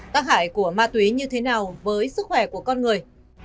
tác hại của ma túy như thế nào với sức khỏe của con người